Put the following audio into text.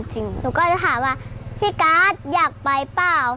หนูก็จะถามว่าพี่การ์ดอยากไปเปล่า